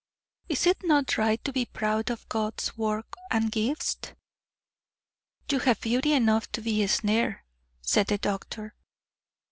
"Is it not right to be proud of God's work and gifts?" "You have beauty enough to be a snare," said the doctor.